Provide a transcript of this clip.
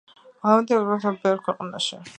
ლავანდი კულტივირებულია ბევრ ქვეყანაში.